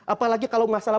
apalagi kalau masalah